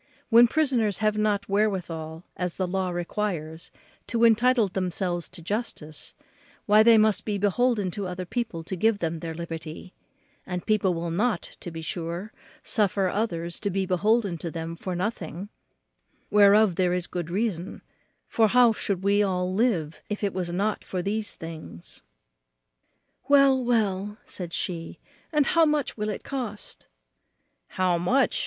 When prisoners have not wherewithal as the law requires to entitle themselves to justice, why they must be beholden to other people to give them their liberty; and people will not, to be sure, suffer others to be beholden to them for nothing, whereof there is good reason; for how should we all live if it was not for these things?" "Well, well," said she, "and how much will it cost?" "How much!"